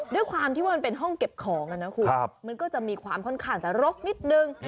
ด้วยความที่ว่ามันเป็นห้องเก็บของนะคุณมันก็จะมีความค่อนข้างจะรกนิดนึง